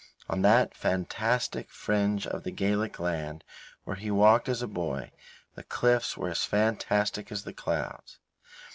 On that fantastic fringe of the Gaelic land where he walked as a boy, the cliffs were as fantastic as the clouds.